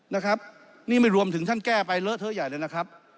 นะครับนี่ไม่รวมถึงท่านแก้ไปเลอะเทอะใหญ่เลยนะครับ